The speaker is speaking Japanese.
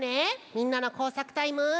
みんなのこうさくタイム。